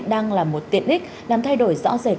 đang là một tiện ích làm thay đổi rõ rệt